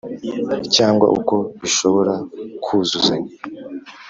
Cyangwa uko bishobora kuzuzanya